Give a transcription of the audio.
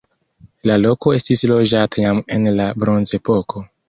La loko estis loĝata jam en la bronzepoko.